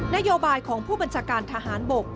นโยบายของผู้บัญชาการทหารบก